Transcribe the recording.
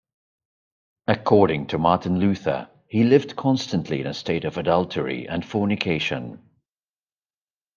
According to Martin Luther, he lived constantly in a state of adultery and fornication.